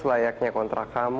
layaknya kontrak kamu